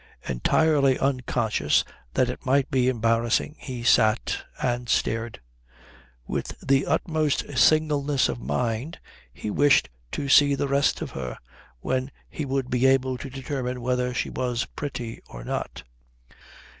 Entirely unconscious that it might be embarrassing he sat and stared. With the utmost singleness of mind he wished to see the rest of her, when he would be able to determine whether she were pretty or not.